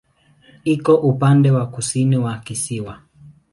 Iko upande wa kusini wa kisiwa.